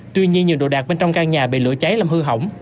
tuy nhiên nhiều đồ đạc bên trong căn nhà bị lửa cháy làm hư hỏng